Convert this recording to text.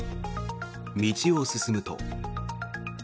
道を進むと。